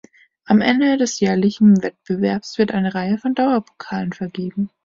Am Ende des jährlichen Wettbewerbs wird eine Reihe von Dauerpokalen vergeben.